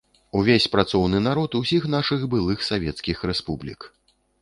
Увесь працоўны народ усіх нашых былых савецкіх рэспублік.